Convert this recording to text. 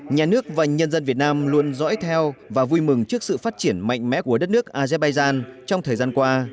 nhà nước và nhân dân việt nam luôn dõi theo và vui mừng trước sự phát triển mạnh mẽ của đất nước azerbaijan trong thời gian qua